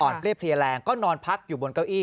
เรียบเพลียแรงก็นอนพักอยู่บนเก้าอี